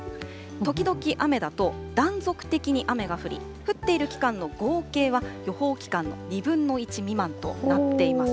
時々雨だと、断続的に雨が降り、降っている期間の合計は、予報期間の２分の１未満となっています。